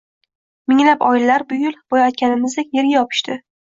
Minglab oilalar bu yil, boya aytganimizdek, yerga yopishdi